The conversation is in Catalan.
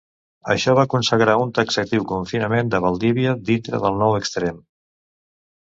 Això va consagrar un taxatiu confinament de Valdivia dintre del Nou Extrem.